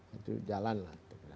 itu jalan lah